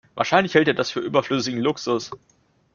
Wahrscheinlich hält er das für überflüssigen Luxus.